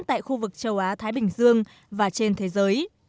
tại khu vực châu á thái bình dương và trên thế giới